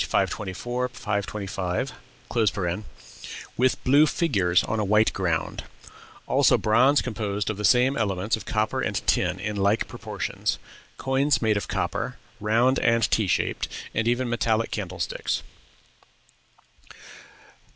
524, 525), "with blue figures on a white ground;" also bronze composed of the same elements of copper and tin in like proportions; coins made of copper, round and T shaped, and even metallic candlesticks.